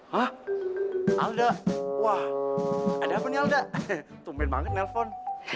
hah alda wah ada apa nih alda tumpain banget nelfon